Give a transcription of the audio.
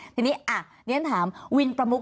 ทีนี้เรียนถามวินประมุก